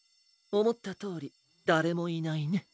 おもったとおりだれもいないね。